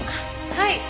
はい。